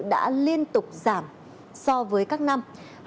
đã liên tục giảm so với các năm